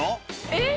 えっ？